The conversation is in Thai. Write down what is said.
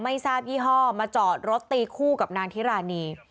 ไม่ทราบยี่ห้อมาจอดรถตีคู่กับนางทิรานี